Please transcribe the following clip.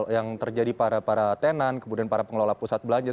yang terjadi para tenan kemudian para pengelola pusat belanja